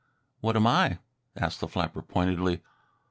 "What am I?" asked the flapper pointedly.